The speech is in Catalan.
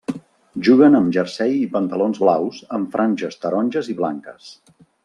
Juguen amb jersei i pantalons blaus amb franges taronges i blanques.